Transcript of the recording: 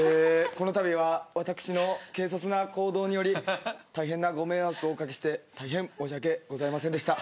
このたびは私の軽率な行動により大変なご迷惑をおかけして大変申し訳ございませんでした。